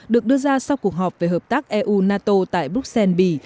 được đưa ra sau cuộc họp về hợp tác eu nato tại bruxelles bỉ